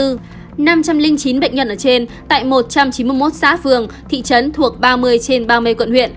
năm trăm linh chín bệnh nhân ở trên tại một trăm chín mươi một xã phường thị trấn thuộc ba mươi trên ba mươi quận huyện